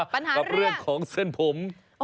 แล้วกับเรื่องสีเซ็นผม